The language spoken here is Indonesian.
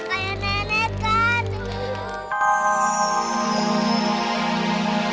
lalu kenapa dia